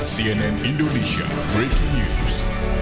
cnn indonesia breaking news